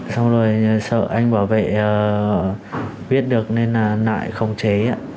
xong rồi sợ anh bảo vệ viết được nên lại không chế